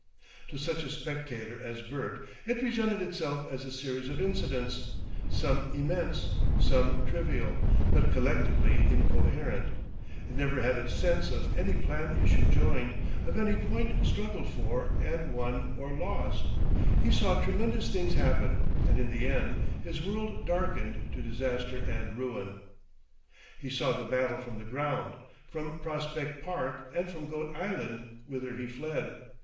To such a spectator as Bert it presented itself as a series of incidents, some immense, some trivial, but collectively incoherent. He never had a sense of any plain issue joined, of any point struggled for and won or lost. He saw tremendous things happen and in the end his world darkened to disaster and ruin. He saw the battle from the ground, from Prospect Park and from Goat Island, whither he fled.